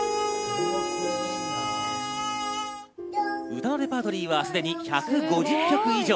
歌のレパートリーはすでに１５０曲以上。